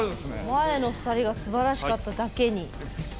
前の２人がすばらしかっただけに。